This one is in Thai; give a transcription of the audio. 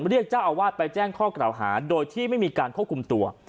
เรียกเจ้าอาวาสไปแจ้งข้อกล่าวหาโดยที่ไม่มีการควบคุมตัว